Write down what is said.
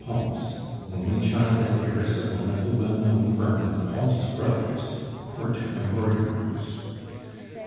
Pons, only child and heiress of one of the well known firm of Pons Brothers, court embroiderers.